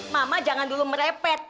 mama jangan dulu merepet